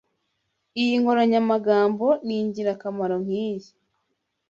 Iyi nkoranyamagambo ningirakamaro nkiyi.